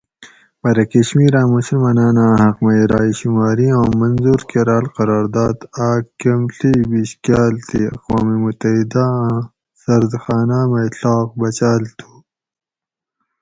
پرہ کشمیراۤں مسلماناۤناۤں حق مئ راۤۓ شماری آں منظور کۤراۤل قرارداد آۤک کۤم ڷی بِش کاۤل تھی اقوام متحداۤ آۤں سردخاۤناۤ مئ ڷاق بچاۤل تھُو